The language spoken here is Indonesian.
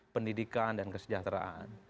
pendidikan dan kesejahteraan